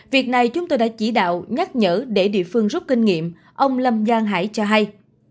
việc này chúng tôi đã chỉ đạo nhắc nhở để địa phương rút kinh nghiệm ông lâm giang hải cho hay